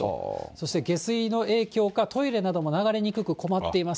そして下水の影響か、トイレなども流れにくく、困っていますと。